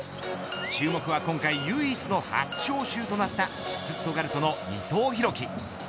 注目は今回唯一の初招集となったシュツットガルトの伊藤洋輝。